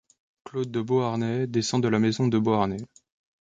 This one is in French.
Claude de Beauharnais descend de la maison de Beauharnais.